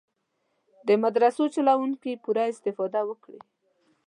د مدرسو چلوونکي پوره استفاده وکړي.